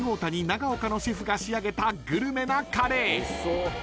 長岡のシェフが仕上げたグルメなカレー］